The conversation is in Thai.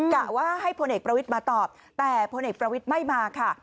กะว่าให้พลเอกประวิทย์มาตอบแต่พลเอกประวิทย์ไม่มาค่ะ